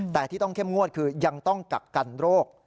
แต่ที่ต้องเข้มงวดคือยังต้องกักกันโรค